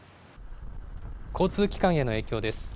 交通機関への影響です。